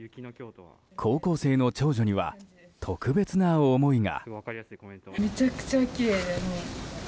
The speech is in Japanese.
高校生の長女には特別な思いが。